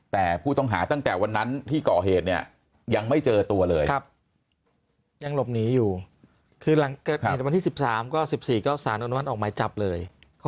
แต่ผู้ต้องหาตั้งแต่วันนั้นที่ก่อเหตุเนี่ยยังไม่เจอตัวเลยยังหลบหนีอยู่คือหลังเกิดเหตุวันที่๑๓ก็๑๔ก็สารอนุมัติออกหมายจับเลย